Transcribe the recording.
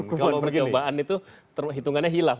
kalau percobaan itu hitungannya hilaf